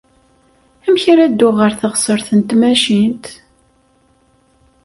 Amek ara dduɣ ɣer teɣsert n tmacint?